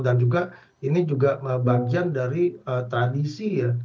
dan juga ini juga bagian dari tradisi ya